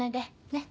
ねっ。